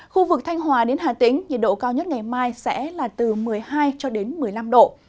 khu vực thanh hòa đến hà tĩnh nhiệt độ cao nhất ngày mai sẽ từ một mươi hai một mươi năm độ